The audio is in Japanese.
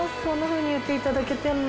そんなふうに言っていただけて。